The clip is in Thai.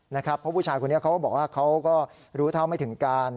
เพราะผู้ชายคนนี้เขาก็บอกว่าเขาก็รู้เท่าไม่ถึงการ